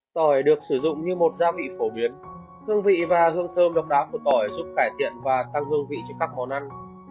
tỏi được sử dụng như một gia vị phổ biến hương vị và hương thơm độc đáo của tỏi giúp cải thiện và tăng hương vị cho các món ăn